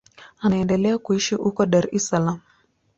Anaendelea kuishi huko Dar es Salaam.